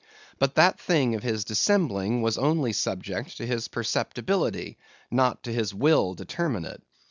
But that thing of his dissembling was only subject to his perceptibility, not to his will determinate.